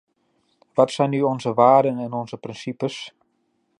Wat zijn nu onze waarden en onze principes?